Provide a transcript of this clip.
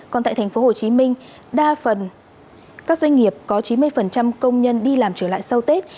còn tại thành phố hồ chí minh đa phần doanh nghiệp có chín mươi công nhân đi làm trở lại sau tết